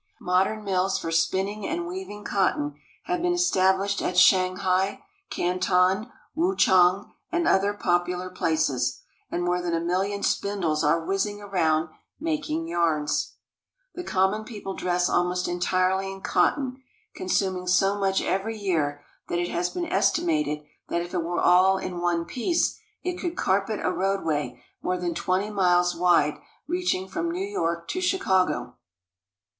Modern mills for spinning and weaving cotton have been INDUSTRIAL CHINA 165 Iron Works at Hangyang. l66 INDUSTRIAL CHINA established at Shanghai, Canton, Wuchang, and other pop ulous places, and more than a million spindles are whizzing around making yarns. The common people dress almost entirely in cotton, consuming so much every year that it has been estimated that if it were all in one piece, it could carpet a roadway more than twenty miles wide reaching from New York to Chicago.